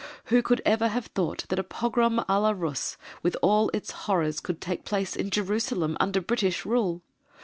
Who could ever have thought that a pogrom "à la Russe," with all its horrors, could take place in Jerusalem under British rule!